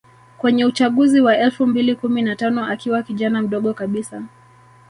kwenye uchaguzi wa elfu mbili kumi na tano akiwa kijana mdogo kabisa